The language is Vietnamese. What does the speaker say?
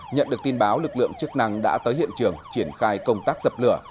nhận được tin báo lực lượng chức năng đã tới hiện trường triển khai công tác dập lửa